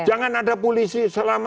jangan ada polisi selama